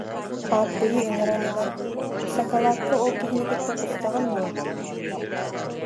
Ааппыйы ыҥыран ылан: «Сакалаакка ол киһини кытта тустаҕын дуо